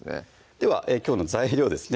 ではきょうの材料ですね